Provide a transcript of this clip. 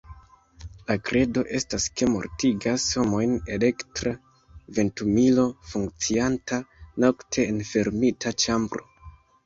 La kredo estas, ke mortigas homojn elektra ventumilo funkcianta nokte en fermita ĉambro.